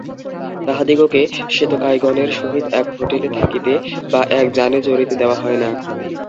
তাহাদিগকে শ্বেতকায়গণের সহিত এক হোটেলে থাকিতে বা এক যানে চড়িতে দেওয়া হয় না।